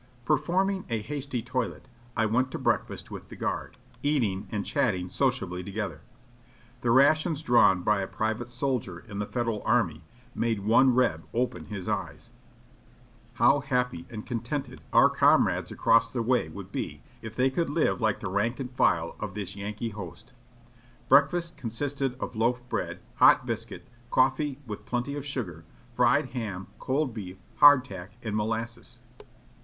Performing a hasty toilet, I went to breakfast with the guard, eating and chatting sociably together. The rations drawn by a private soldier in the Federal Army made one Reb open his eyes. How happy and contented our comrades across the way would be if they could live like the rank and file of this Yankee host. Breakfast con sisted of loaf bread, hot biscuit, coffee with plenty of sugar, fried ham, cold beef, hardtack and molasses.